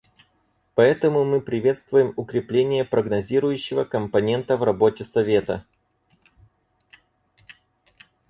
Поэтому мы приветствуем укрепление прогнозирующего компонента в работе Совета.